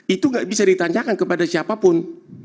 itu nggak bisa ditanyakan kepada siapapun